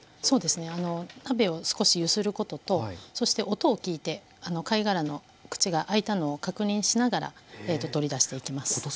そうですね鍋を少し揺することとそして音を聞いて貝殻の口が開いたのを確認しながら取り出していきます。